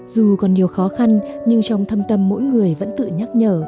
dù còn nhiều khó khăn nhưng trong thâm tâm mỗi người vẫn tự nhắc nhở